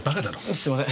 すいません。